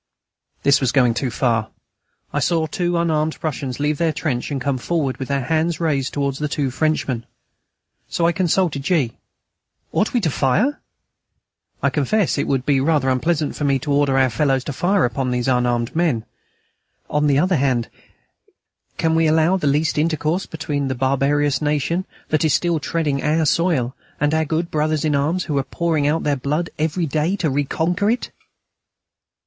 This was going too far. I saw two unarmed Prussians leave their trench and come forward, with their hands raised towards the two Frenchmen, so I consulted G.: "Ought we to fire? I confess it would be rather unpleasant for me to order our fellows to fire upon these unarmed men. On the other hand, can we allow the least intercourse between the barbarous nation that is still treading our soil and our good brothers in arms who are pouring out their blood every day to reconquer it?"